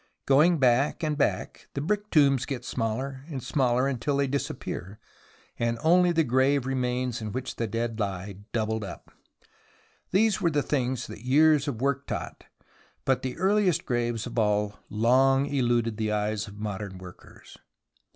Going back and back, the brick tombs get smaller and smaller, until they disappear, and only the grave remains in which the dead lie doubled up. These were the things that years of work taught, but the earhest graves of all long eluded the eyes of modern workers.